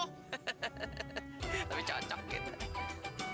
hahaha tapi cocok gitu